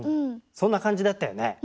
そんな感じだったよね。